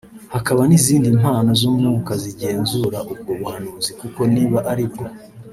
hakaba n’izindi mpano z’umwuka zigenzura ubwo buhanuzi koko niba ari bwo